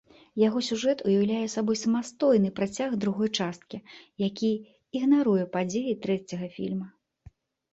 Яго сюжэт уяўляе сабой самастойны працяг другой часткі, які ігнаруе падзеі трэцяга фільма.